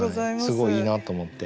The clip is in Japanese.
すごいいいなと思って。